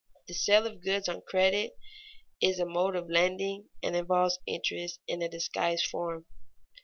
_The sale of goods on credit is a mode of lending and involves interest in a disguised form.